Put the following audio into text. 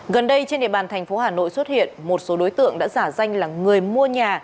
gần đây trên địa bàn thành phố hà nội xuất hiện một số đối tượng đã giả danh là người mua nhà